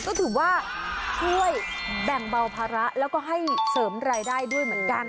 ก็ถือว่าช่วยแบ่งเบาภาระแล้วก็ให้เสริมรายได้ด้วยเหมือนกัน